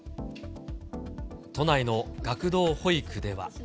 都内の学童保育では。